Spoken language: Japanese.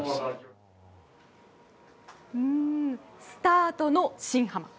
スタートの新濱